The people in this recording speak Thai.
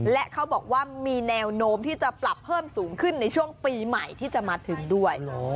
และเขาบอกว่ามีแนวโน้มที่จะปรับเพิ่มสูงขึ้นในช่วงปีใหม่ที่จะมาถึงด้วย